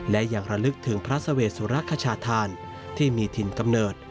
และยังระลึกถึงพระเสวสุรคชาธานที่มีถิ่นกำเนิด